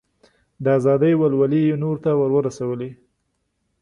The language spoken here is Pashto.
د ازادۍ ولولې یې نورو ته ور ورسولې.